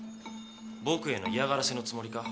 僕への嫌がらせのつもりか？